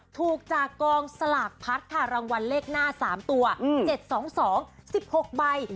ถูกจากกองสลากพัดค่ะรางวัลเลขหน้า๓ตัว๗๒๒๑๖ใบ